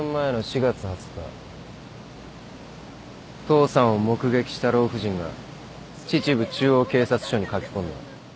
父さんを目撃した老婦人が秩父中央警察署に駆け込んだ。